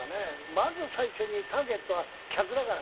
まず最初にターゲットは客だから。